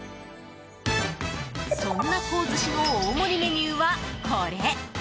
そんな幸寿司の大盛りメニューはこれ！